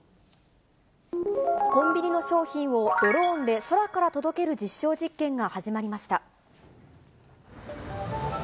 コンビニの商品をドローンで空から届ける実証実験が始まりました。